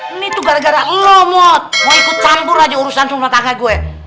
ini tuh gara gara lomot mau ikut campur aja urusan rumah tangga gue